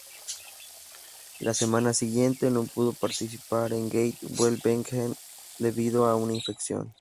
La semana siguiente no pudo participar en Gante-Wevelgem debido a una infección.